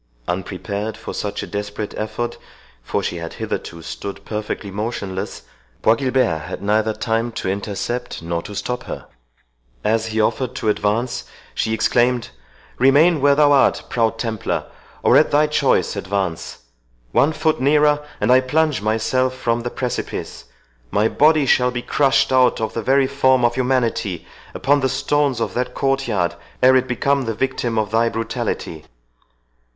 Unprepared for such a desperate effort, for she had hitherto stood perfectly motionless, Bois Guilbert had neither time to intercept nor to stop her. As he offered to advance, she exclaimed, "Remain where thou art, proud Templar, or at thy choice advance!—one foot nearer, and I plunge myself from the precipice; my body shall be crushed out of the very form of humanity upon the stones of that court yard, ere it become the victim of thy brutality!"